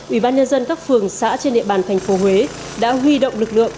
ủy ban nhân dân các phường xã trên địa bàn thành phố huế đã huy động lực lượng